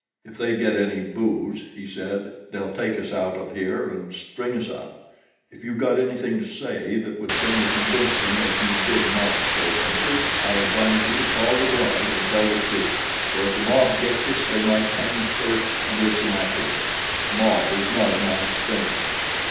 "If they get any booze," he said, "they'll take us out of here and string us up. If you've got anything to say that would tend to convince them that you did not kill Paynter I advise you to call the guard and tell the truth, for if the mob gets us they might hang us first and listen afterward a mob is not a nice thing.